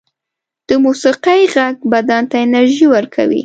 د موسيقۍ غږ بدن ته انرژی ورکوي